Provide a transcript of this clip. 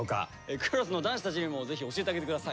クラスの男子たちにもぜひ教えてあげてください。